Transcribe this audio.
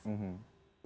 ya bagi kami